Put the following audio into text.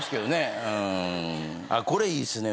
これいいですね